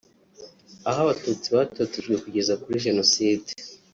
aho abatutsi batotejwe kugeza kuri Jenoside